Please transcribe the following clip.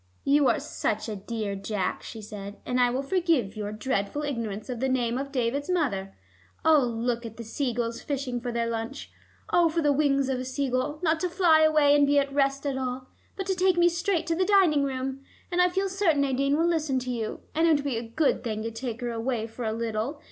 "You are such a dear, Jack," she said, "and I will forgive your dreadful ignorance of the name of David's mother. Oh, look at the sea gulls fishing for their lunch. Oh, for the wings of a sea gull, not to fly away and be at rest at all, but to take me straight to the dining room. And I feel certain Nadine will listen to you, and it would be a good thing to take her away for a little.